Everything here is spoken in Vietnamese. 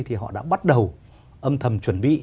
họ đã bắt đầu âm thầm chuẩn bị